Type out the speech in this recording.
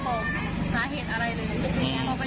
พอไปถึงคุณบอกว่าแฟนเสียชีวิตแล้ว